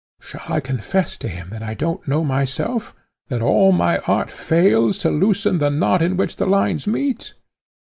Shall I confess to him that I don't know myself, that all my art fails to loosen the knot in which the lines meet?